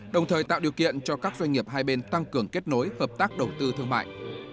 đồng thời tạo điều kiện cho các doanh nghiệp hai bên tăng cường kết nối hợp tác đầu tư thương mại